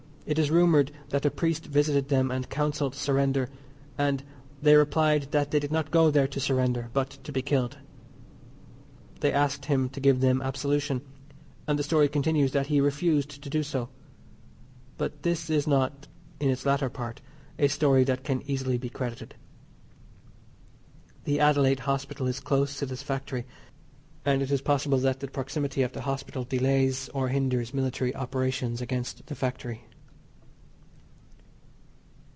It is rumoured that a priest visited them and counselled surrender, and they replied that they did not go there to surrender but to be killed. They asked him to give them absolution, and the story continues that he refused to do so but this is not (in its latter part) a story that can easily be credited. The Adelaide Hospital is close to this factory, and it is possible that the proximity of the hospital, delays or hinders military operations against the factory.